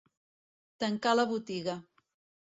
Tancar la botiga.